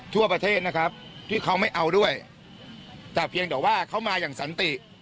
แต่เพียงเหมือนว่าเขามาอย่างสันติ